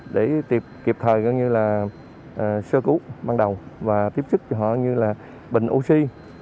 để kịp thời gọi như là sơ cứu ban đầu và tiếp xúc cho họ như là bệnh oxy